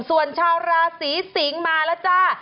ส่วนชาวราศีสิงศ์มาแล้วจ้า